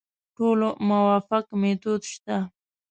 ټولو موافق میتود شته.